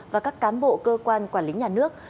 và các cán bộ cơ quan quản lý nhà nước